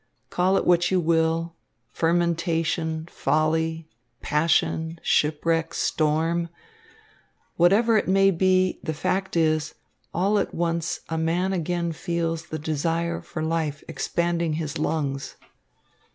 Call it what you will, fermentation, folly, passion, shipwreck, storm. Whatever it may be, the fact is, all at once a man again feels the desire for life expanding his lungs."